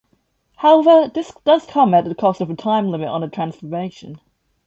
However, this does come at the cost of a time limit on the transformation.